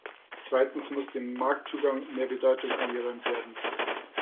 Zweitens muss dem Marktzugang mehr Bedeutung eingeräumt werden.